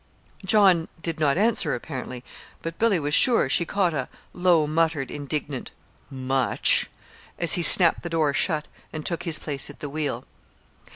John did not answer apparently; but Billy was sure she caught a low muttered, indignant "much!" as he snapped the door shut and took his place at the wheel.